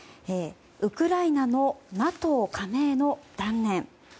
ウクライナのＮＡＴＯ加盟の断念